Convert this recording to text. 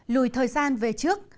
lùi thời gian về trước